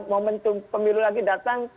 momentum pemilu lagi datang